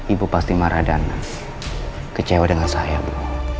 ibu pasti marah dan kecewa dengan saya bu